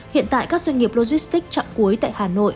hiện tại các doanh nghiệp logistics chặng cuối tại hà nội